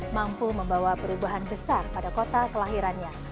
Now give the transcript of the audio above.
mampu membawa perubahan besar pada kota kelahirannya